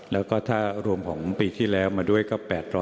แล้วก็ถ้ารวมของปีที่แล้วมาด้วยก็๘๐๐